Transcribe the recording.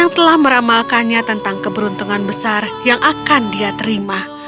yang telah meramalkannya tentang keberuntungan besar yang akan dia terima